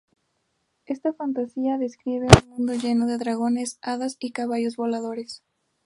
Esta fantasía describe un mundo lleno de dragones, hadas y caballos voladores.